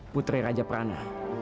putri raja prana